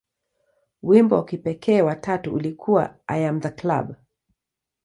Wimbo wa kipekee wa tatu ulikuwa "I Am The Club".